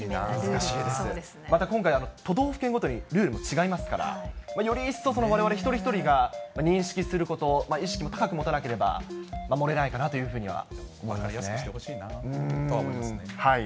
また今回、都道府県ごとにルールも違いますから、より一層、われわれ一人一人が認識すること、意識も高く持たなければ守れないかなというふうには思いますね。